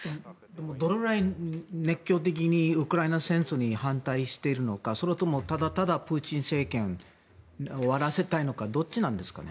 どのぐらい熱狂的にウクライナ戦争に反対しているのかそれとも、ただただプーチン政権を終わらせたいのかどっちなんですかね。